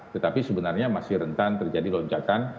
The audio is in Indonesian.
tetapi sebenarnya masih rentan terjadi lonjakan